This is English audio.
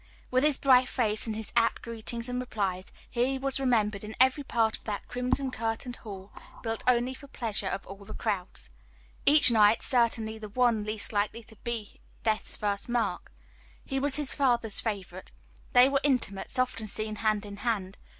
With his bright face, and his apt greetings and replies, he was remembered in every part of that crimson curtained hall, built only for pleasure of all the crowds, each night, certainly the one least likely to be death's first mark. He was his father's favorite. They were intimates often seen hand in hand.